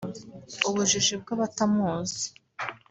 Ubujiji bw’abatamuzi